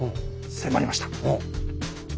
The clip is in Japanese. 迫りました。